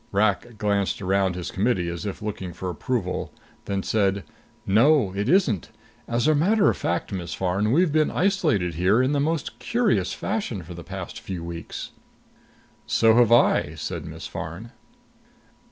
Rak glanced around his committee as if looking for approval, then said, "No, it isn't. As a matter of fact, Miss Farn, we've been isolated here in the most curious fashion for the past few weeks." "So have I," said Miss Farn.